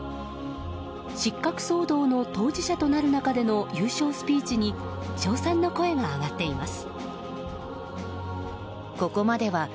失格騒動の当事者となる中での優勝スピーチに称賛の声が上がっています。